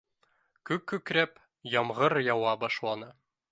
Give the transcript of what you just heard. Күк күкрәп, ямғыр яуа башланы.